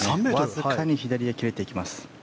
わずかに左へ切れていきます。